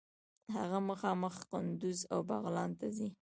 هغه مخامخ قندوز او بغلان ته ځي.